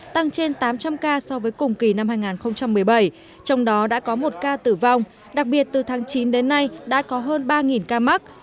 tăng trên tám trăm linh ca so với cùng kỳ năm hai nghìn một mươi bảy trong đó đã có một ca tử vong đặc biệt từ tháng chín đến nay đã có hơn ba ca mắc